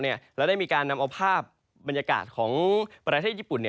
และได้มีการนำเอาภาพบรรยากาศของประเทศญี่ปุ่น